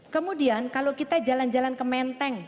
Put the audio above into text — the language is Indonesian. kemudian kalau kita jalan jalan ke menteng